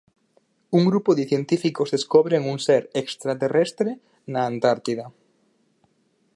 Un grupo de científicos descobren un ser extraterrestre na Antártida.